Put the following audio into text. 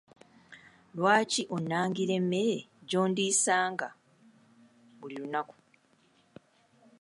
Lwaki onnangiranga emmere gy'ondiisanga buli lunaku?